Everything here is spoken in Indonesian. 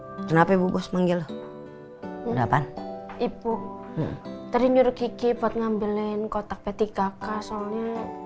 hai kenapa ibu bos panggil udah apaan ibu tadi nyuruh kiki buat ngambilin kotak p tiga k soalnya